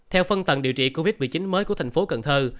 theo phân tầng điều trị covid một mươi chín mới của thành phố cần thơ